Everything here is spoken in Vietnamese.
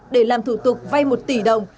để làm thủ tục vay một tỷ đồng